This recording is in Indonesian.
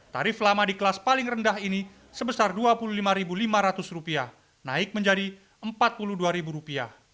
tarif lama di kelas paling rendah ini sebesar rp dua puluh lima lima ratus naik menjadi rp empat puluh dua